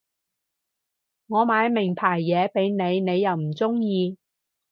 我買名牌嘢畀你你又唔中意